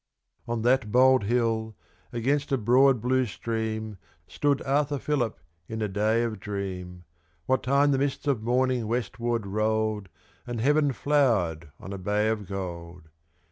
On that bold hill, against a broad blue stream, Stood Arthur Phillip in a day of dream: What time the mists of morning westward rolled, And heaven flowered on a bay of gold!